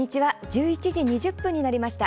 １１時２０分になりました。